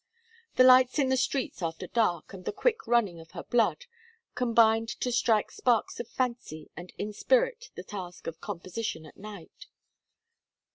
The lights in the streets after dark and the quick running of her blood, combined to strike sparks of fancy and inspirit the task of composition at night.